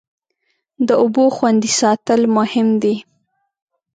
د اوبو خوندي ساتل مهم دی.